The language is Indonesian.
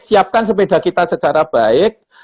siapkan sepeda kita secara baik